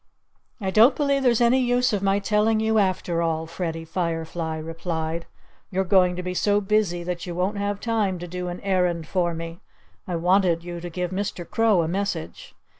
"I don't believe there's any use of my telling you, after all," Freddie Firefly replied. "You're going to be so busy that you won't have time to do an errand for me. I wanted you to give Mr. Crow a message."